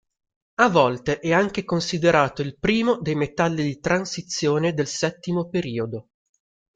A volte è anche considerato il primo dei metalli di transizione del settimo periodo.